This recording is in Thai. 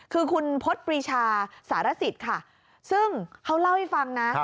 คือคุณพฤษปรีชาสารสิทธิ์ค่ะซึ่งเขาเล่าให้ฟังนะ